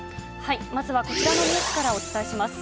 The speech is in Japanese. まずはこちらのニュースからお伝えします。